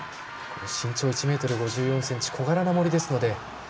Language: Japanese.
身長１ｍ５１ｃｍ小柄な森ですので。